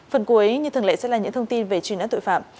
phần cuối như thường lệ sẽ là những thông tin về truy nã tội phạm